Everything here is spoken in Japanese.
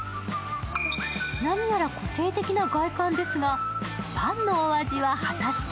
何やら個性的な外観ですが、パンのお味は果たして？